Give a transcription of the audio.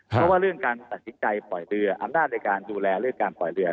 เพราะว่าเรื่องการตัดสินใจปล่อยเรืออำนาจในการดูแลเรื่องการปล่อยเรือ